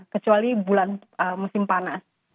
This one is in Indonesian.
kecuali bulan musim panas